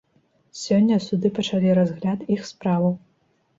Сёння суды пачалі разгляд іх справаў.